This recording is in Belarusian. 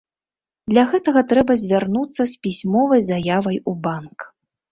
Для гэтага трэба звярнуцца з пісьмовай заявай у банк.